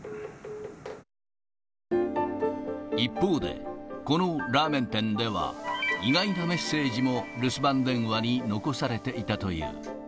一方で、このラーメン店では、意外なメッセージも留守番電話に残されていたという。